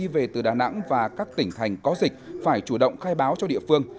và các tỉnh thành có dịch phải chủ động khai báo cho địa phương